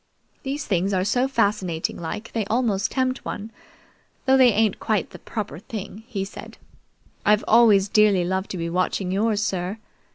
"These things are so fascinating like they almost tempt one, though they ain't quite the proper thing," he said. "I've always dearly loved to be watching yours, sir.